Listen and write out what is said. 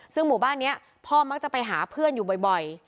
ซึ่งหมู่บ้านนี้พ่อมักจะไปหาเพื่อนอยู่บ่อย